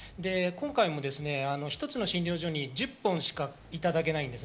一つの診療所に１０本しかいただけないんですね。